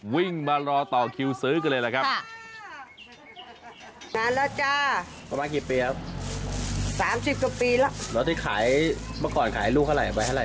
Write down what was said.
วิ่งมารอต่อคิวซื้อกันเลยล่ะครับ